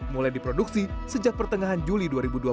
mulai diproduksi sejak pertengahan juli dua ribu dua puluh